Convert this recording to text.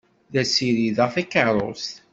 La ssirideɣ takeṛṛust.